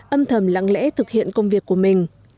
âm thầm lặng lẽ thực hiện công việc của mình